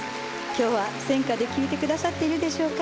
今日はせんかで聴いてくださっているでしょうか？